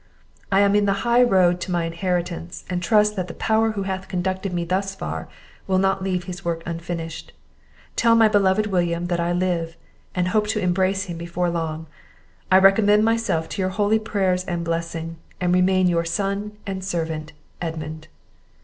I am in the high road to my inheritance; and trust that the Power who hath conducted me thus far, will not leave his work unfinished. Tell my beloved William, that I live, and hope to embrace him before long. I recommend myself to your holy prayers and blessing, and remain your son and servant, Edmund."